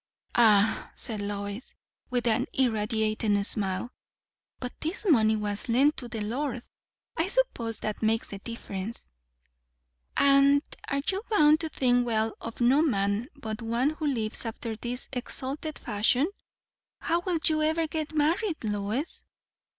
"Ah," said Lois, with an irradiating smile, "but this money was lent to the Lord; I suppose that makes the difference." "And are you bound to think well of no man but one who lives after this exalted fashion? How will you ever get married, Lois?"